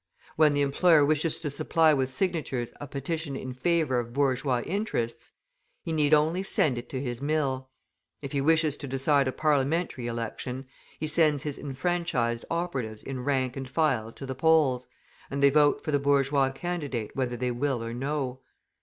When the employer wishes to supply with signatures a petition in favour of bourgeois interests, he need only send it to his mill. If he wishes to decide a Parliamentary election, he sends his enfranchised operatives in rank and file to the polls, and they vote for the bourgeois candidate whether they will or no.